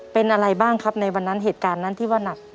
เป็นอะไรบ้างครับในวันนั้นเหตุการณ์นั้นที่ว่านัก